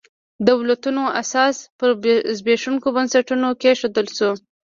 دولتونو اساس پر زبېښونکو بنسټونو کېښودل شو.